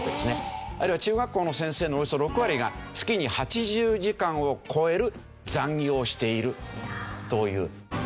あるいは中学校の先生のおよそ６割が月に８０時間を超える残業をしているという。